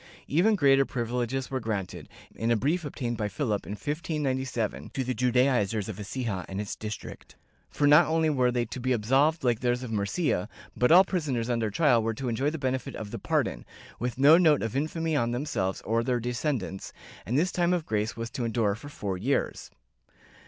^ Even greater privileges were granted, in a brief obtained by Philip, in 1597, to the Judaizers of Ecija and its district, for not only were they to be absolved like those of Murcia, but all prisoners under trial were to enjoy the benefit of the pardon, with no note of infamy on them selves or their descendants, and this time of grace was to endure for four years.'